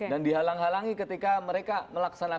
dan dihalang halangi ketika mereka melaksanakan tugas